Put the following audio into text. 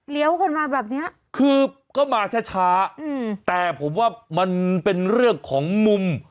เลี้ยวขึ้นมาแบบเนี้ยคือก็มาช้าแต่ผมว่ามันเป็นเรื่องของมุม